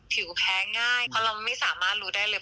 แพ้ง่ายเพราะเราไม่สามารถรู้ได้เลย